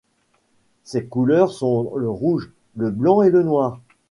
Ses couleurs sont le rouge, le blanc et le noir.